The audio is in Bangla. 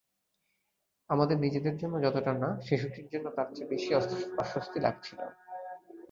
আমাদের নিজেদের জন্য যতটা না, শিশুটির জন্য তার চেয়ে বেশি অস্বস্তি লাগছিল।